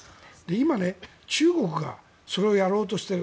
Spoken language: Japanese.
今ね、中国がそれをやろうとしてる。